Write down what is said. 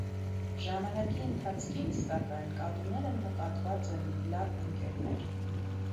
Ժամանակի ընթացքին, սակայն, կատուները նկատուած են՝ լաւ ընկերներ։